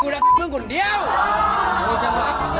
สกิดยิ้ม